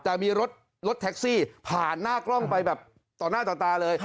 แต่มีรถแท็กซี่ผ่านหน้ากล้องไปแบบต่อหน้าต่อตาเลย